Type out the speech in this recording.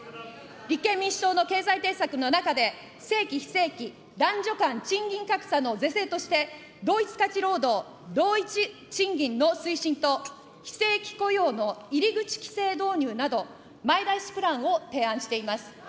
立憲民主党の経済政策の中で、正規・非正規、男女間賃金格差の是正として、同一価値労働・同一賃金の推進と、非正規雇用の入り口規制導入など、前倒しプランを提案しています。